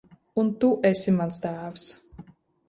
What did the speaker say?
Un tu esi mans tēvs.